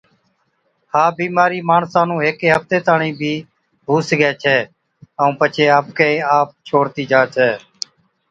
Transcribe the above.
ها بِيمارِي ماڻسا نُون هيڪي هفتي تاڻِين بِي هُو سِگھَي ڇَي ائُون پڇي آپڪي آپ ڇوڙتِي جا ڇَي۔